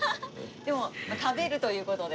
でも食べるという事で。